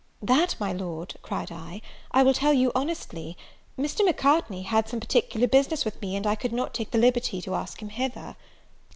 "That, my Lord," cried I, "I will tell you honestly. Mr. Macartney had some particular business with me, and I could not take the liberty to ask him hither."